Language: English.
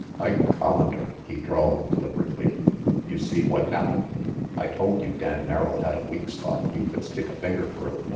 "Ike Collander," he drawled deliberately, "you see what happened? I told you Dan Merrill had a weak spot you could stick a finger through.